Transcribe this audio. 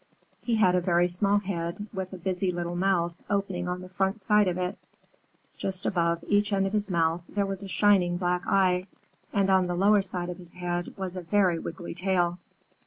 He had a very small head with a busy little mouth opening on the front side of it: just above each end of this mouth was a shining black eye, and on the lower side of his head was a very wiggly tail.